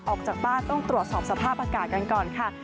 ออกจากบ้านต้องตรวจสอบสภาพอากาศกันก่อนค่ะ